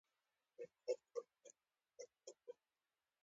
هرات د افغانستان د اجتماعي جوړښت برخه ده.